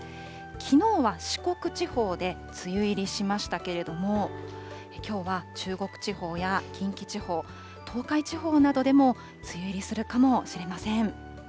きのうは四国地方で梅雨入りしましたけれども、きょうは中国地方や、近畿地方、東海地方などでも梅雨入りするかもしれません。